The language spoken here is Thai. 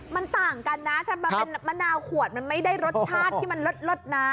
มันต่างกันนะถ้ามันเป็นมะนาวขวดมันไม่ได้รสชาติที่มันลดนะ